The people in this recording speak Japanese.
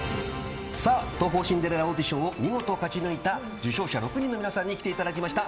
東宝シンデレラオーディションを見事勝ち抜いた受賞者６人の皆さんに来ていただきました。